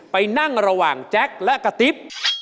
ไปนั่งระหว่างแจ็คและกระติ๊บ